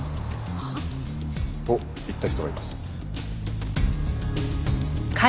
はあ？と言った人がいます。